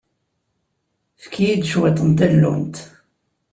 Efk-iyi cwiṭ n tallunt.